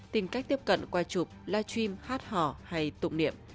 tìm cách tiếp cận quay chụp live stream hát hỏ hay tụng niệm